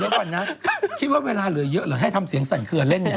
เดี๋ยวก่อนนะคิดว่าเวลาเหลือเยอะหรือให้ทำเสียงสั่นเคลือเล่นเนี่ย